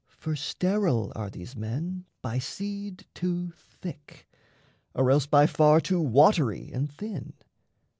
For sterile are these men by seed too thick, Or else by far too watery and thin.